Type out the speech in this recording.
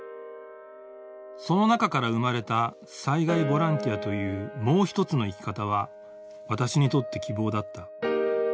その中から生まれた災害ボランティアという「もうひとつの生き方」は私にとって希望だった。